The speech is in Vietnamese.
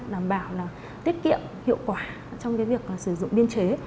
làm bảo tiết kiệm hiệu quả trong việc sử dụng biên chế